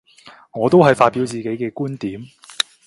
我都係發表自己嘅觀點